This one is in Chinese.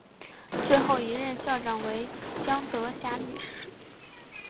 最后一任校长为江德霞女士。